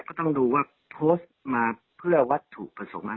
ก็ต้องดูว่าโพสต์มาเพื่อวัตถุประสงค์